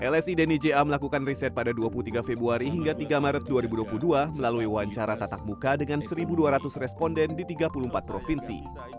lsi dnija melakukan riset pada dua puluh tiga februari hingga tiga maret dua ribu dua puluh dua melalui wawancara tatap muka dengan satu dua ratus responden di tiga puluh empat provinsi